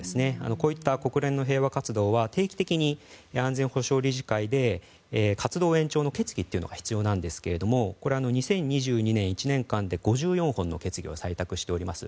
こういった国連の平和活動は定期的に安全保障理事会での活動延長の決議というのが必要なんですがこれは２０２２年の１年間で５４本の決議を採択しています。